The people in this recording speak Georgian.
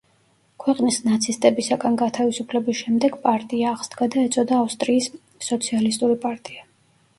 ქვეყნის ნაცისტებისაგან გათავისუფლების შემდეგ პარტია აღსდგა და ეწოდა ავსტრიის სოციალისტური პარტია.